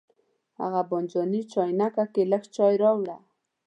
هغه بانجاني چاینکه کې لږ چای راوړه.